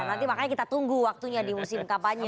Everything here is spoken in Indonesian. nanti makanya kita tunggu waktunya di musim kapanya